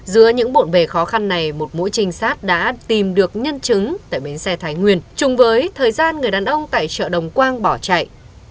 giữa những bộn bề khó khăn này một mũi trinh sát đã tìm được nhân chứng tại bến xe thái nguyên chung với thời gian người đàn ông tại chợ đồng quang bỏ chạy